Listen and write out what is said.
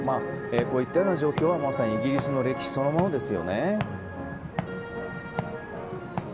こういった状況はまさにイギリスの歴史そのものですよね。